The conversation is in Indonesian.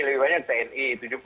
lebih banyak tni